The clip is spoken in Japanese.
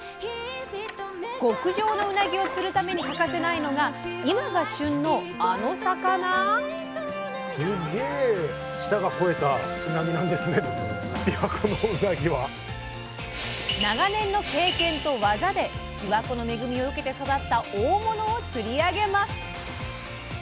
極上のうなぎを釣るために欠かせないのが今が旬のあの魚⁉長年の経験と技でびわ湖の恵みを受けて育った大物を釣り上げます。